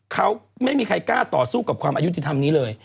เขาไม่มีใครกล้าต่อสู้กับความอายุติธรรมนี้เลย